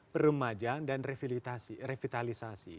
permajaan dan revitalisasi